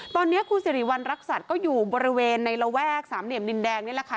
ตอนนี้คุณสิริวัณรักษัตริย์ก็อยู่บริเวณในระแวกสามเหลี่ยมดินแดงนี่แหละค่ะ